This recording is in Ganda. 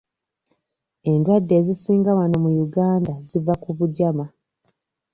Endwadde ezisinga wano mu Uganda ziva ku bugyama.